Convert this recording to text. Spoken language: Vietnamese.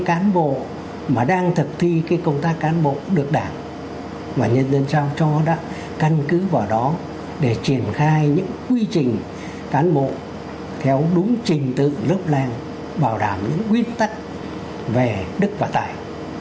cái cán bộ mà đang thực thi cái công tác cán bộ được đảng và nhân dân trao cho đã căn cứ vào đó để triển khai những quy trình cán bộ theo đúng trình tự lớp lang bảo đảm những quy tắc về đức và tài